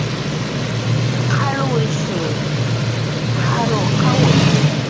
qalwishi jarwqawi